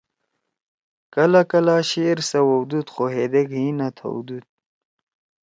کلہ کلہ شعر سوَؤدُود خو ہیدیک حی نہ تھؤدُود